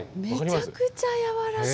めちゃくちゃ柔らかい。